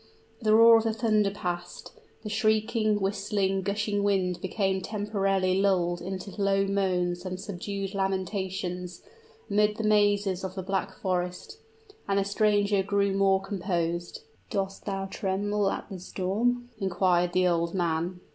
The roar of the thunder past the shrieking, whistling, gushing wind became temporarily lulled into low moans and subdued lamentations, amid the mazes of the Black Forest; and the stranger grew more composed. "Dost thou tremble at the storm?" inquired the old man.